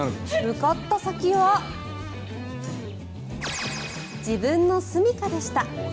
向かった先は自分のすみかでした。